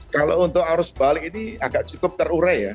kalau untuk arus balik ini agak cukup terurai ya